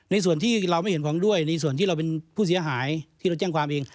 ส่วนที่เราไม่เห็นพร้อมด้วยในส่วนที่เราเป็นผู้เสียหายที่เราแจ้งความเอง